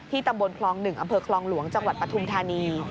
ตำบลคลอง๑อำเภอคลองหลวงจังหวัดปฐุมธานี